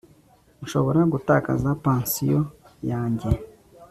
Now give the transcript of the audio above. Nshobora gutakaza pansiyo yanjye